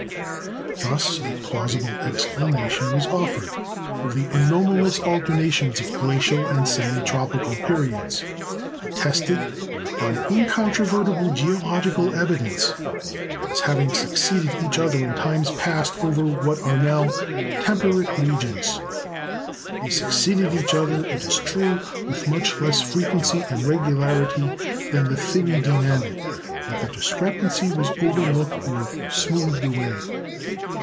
Thus a plausible explanation was offered of the anomalous alternations of glacial and semi tropical periods, attested, on incontrovertible geological evidence, as having succeeded each other in times past over what are now temperate regions. They succeeded each other, it is true, with much less frequency and regularity than the theory demanded; but the discrepancy was overlooked or smoothed away.